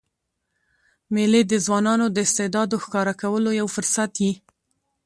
مېلې د ځوانانو د استعدادو ښکاره کولو یو فرصت يي.